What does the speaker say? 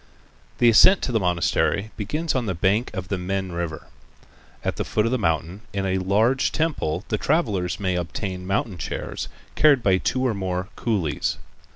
The ascent to the monastery begins on the bank of the Min River. At the foot of the mountain in a large temple the traveler may obtain mountain chairs carried by two or more coolies.